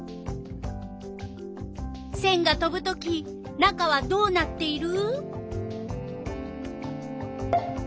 せんが飛ぶとき中はどうなっている？